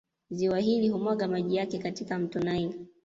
Ziwa hili humwaga maji yake katika Mto Nile